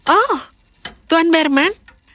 oh tuan berman